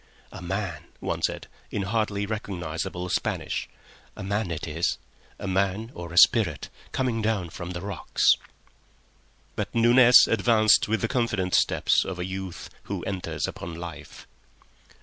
"A man," one said, in hardly recognisable Spanish. "A man it is—a man or a spirit—coming down from the rocks." But Nunez advanced with the confident steps of a youth who enters upon life.